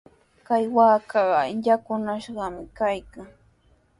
Kay waakaqa yakunashqami kaykan.